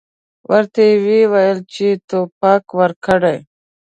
ورته ویې ویل چې توبه وکړې.